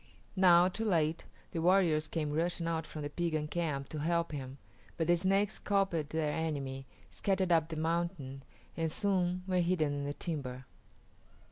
Now, too late, the warriors came rushing out from the Piegan camp to help him, but the Snakes scalped their enemy, scattered up the mountain, and soon were hidden in the timber.